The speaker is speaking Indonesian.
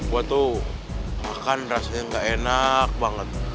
gue tuh makan rasanya nggak enak banget